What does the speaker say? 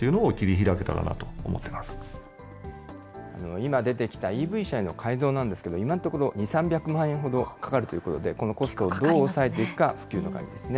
今出てきたＥＶ車への改造なんですけれども、今のところ、２、３００万円ほどかかるということで、このコストをどう抑えていくか、普及の鍵ですね。